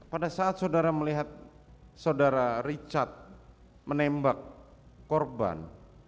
pada saat saudara melihat saudara richard menembak korban